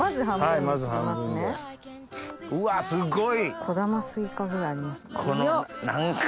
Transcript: うわすごい！